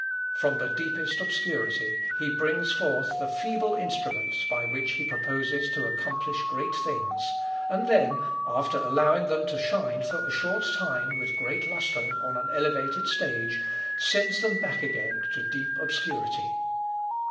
From the deepest obscurity He brings forth the feeble instruments by which he proposes to accomplish great things, and then, after allowing them to shine for a short time with great lustre on an elevated stage, sends them back again to deep obscurity.